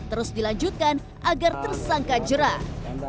terus dilanjutkan agar tersangka jerah